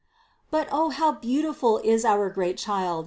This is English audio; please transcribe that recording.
But O how beautiful is our great Child!